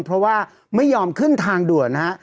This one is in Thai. เพราะว่าไม่ยอมขึ้นทางด่วนนะฮะ